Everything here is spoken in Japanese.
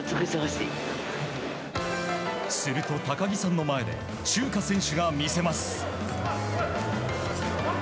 すると、高木さんの前でチューカ選手が見せます。